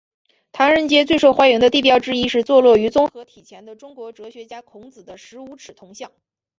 唐人街最受欢迎的地标之一是坐落于综合体前的中国哲学家孔子的十五尺铜像。